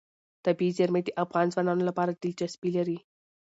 طبیعي زیرمې د افغان ځوانانو لپاره دلچسپي لري.